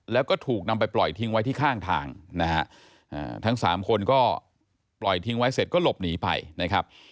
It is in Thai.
แล้วก็ถูกนำไปปล่อยทิ้งไว้ที่ข้างทางนะฮะทั้งสามคนก็ปล่อยทิ้งไว้เสร็จก็หลบหนีไปนะครับ